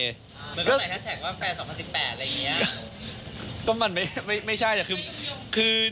เหมือนกับแสดงว่าแฟนสองพันสิบแปดอะไรอย่างเงี้ยก็มันไม่ไม่ใช่แต่คือ